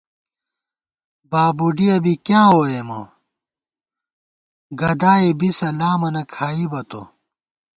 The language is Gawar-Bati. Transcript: بابُڈِیَہ بی کِیاں ووئیمہ، گدائی بِسہ لامَنہ کھائیبہ تو